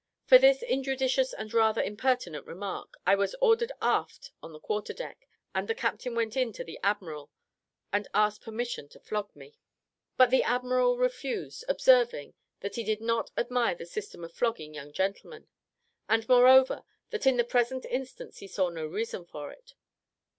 For this injudicious and rather impertinent remark, I was ordered aft on the quarter deck, and the captain went in to the admiral, and asked permission to flog me; but the admiral refused, observing, that he did not admire the system of flogging young gentlemen: and, moreover, that in the present instance he saw no reason for it.